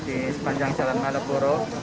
di sepanjang jalan malioboro